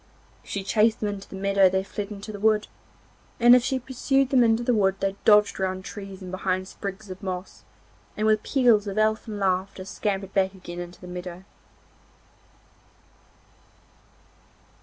If she chased them in the meadow they fled into the wood, and if she pursued them into the wood they dodged round trees and behind sprigs of moss, and with peals of elfin laughter scampered back again into the meadow.